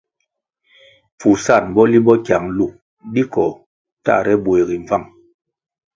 Pfusan bo limbo kyang nlu di koh tahre buegi mbvang.